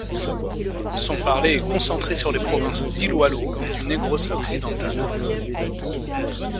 Son parler est concentré sur les provinces d'Iloilo et du Negros occidental.